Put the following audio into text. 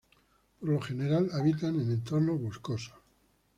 Por lo general habitan en entornos boscosos.